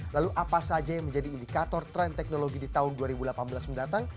lalu apa saja yang menjadi indikator tren teknologi di tahun dua ribu delapan belas mendatang